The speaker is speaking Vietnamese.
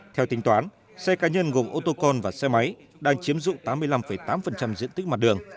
theo tính toán xe cá nhân gồm ô tô con và xe máy đang chiếm dụng tám mươi năm tám diện tích mặt đường